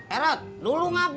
erat dulu kenapa